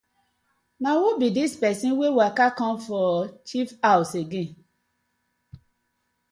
Na who bi dis pesin wey waka com for chief haws again.